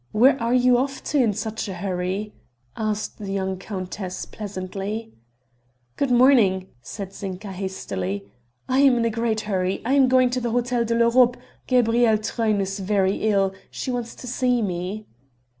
Where are you off to in such a hurry?" asked the young countess pleasantly. "Good morning," said Zinka hastily, "I am in a great hurry I am going to the Hotel de l'Europe; Gabrielle Truyn is very ill she wants to see me."